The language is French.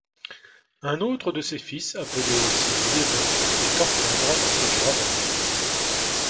Un autre de ses fils appelé aussi Liévin est orfèvre et graveur.